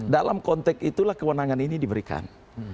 dalam konteks itulah kewenangan ini diberikan